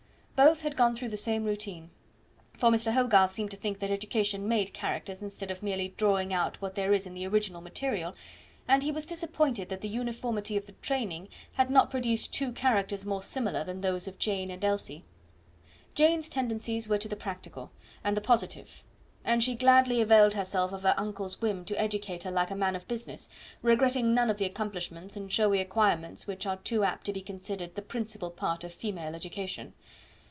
Both had gone through the same routine; for Mr. Hogarth seemed to think that education made characters, instead of merely drawing out what there is in the original material, and he was disappointed that the uniformity of the training had not produced two characters more similar than those of Jane and Elsie. Jane's tendencies were to the practical and the positive; and she gladly availed herself of her uncle's whim to educate her like a man of business, regretting none of the accomplishments and showy acquirements which are too apt to be considered the principal part of female education.